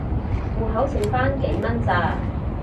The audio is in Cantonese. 戶口剩番幾蚊咋